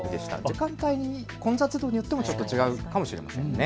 時間帯、混雑度によって違うかもしれませんね。